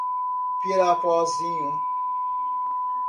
Pirapozinho